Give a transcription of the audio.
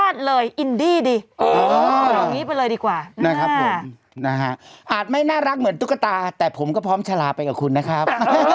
อาจไม่น่ารักเหมือนตุ๊กตาแต่ผมก็พร้อมชะลาไปกับคุณนะครับ